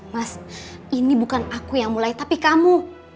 mas ini bukan aku yang mulai tapi kamu